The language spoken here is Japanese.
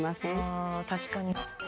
ああ、確かに。